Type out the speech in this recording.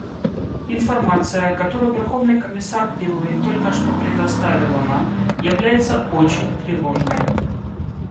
Информация, которую Верховный комиссар Пиллэй только что предоставила нам, является очень тревожной.